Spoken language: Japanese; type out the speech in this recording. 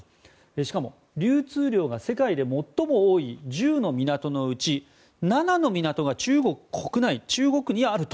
しかも流通量が世界で最も多い１０の港のうち７の港が中国国内中国にあると。